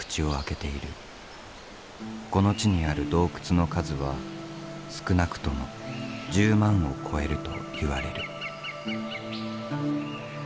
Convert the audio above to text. この地にある洞窟の数は少なくとも１０万を超えるといわれる。